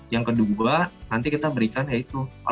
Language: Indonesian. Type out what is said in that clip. yang kedua nanti kita berikan ya itu